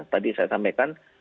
tadi saya sampaikan